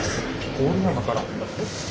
郡山から。